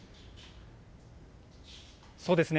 そうですね。